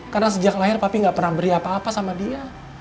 karena sejak lahir papih gak pernah beri apa apa sama dia